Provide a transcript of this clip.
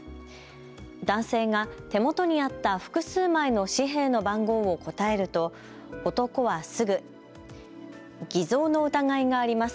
男性が手元にあった複数枚の紙幣の番号を答えると男はすぐ、偽造の疑いがあります。